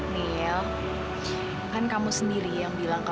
mereka punya hak untuk bahagia